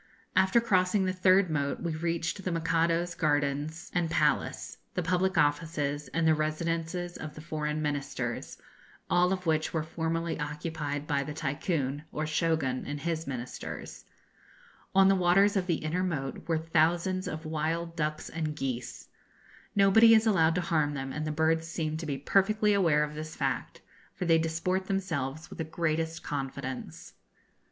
After crossing the third moat we reached the Mikado's gardens and palace, the public offices, and the residences of the foreign Ministers, all of which were formerly occupied by the Tycoon, or Shogun, and his ministers. On the waters of the inner moat were thousands of wild ducks and geese. Nobody is allowed to harm them, and the birds seem to be perfectly aware of this fact, for they disport themselves with the greatest confidence.